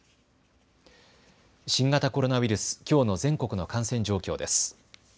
新型コロナウイルス、きょうの全国の感染状況です。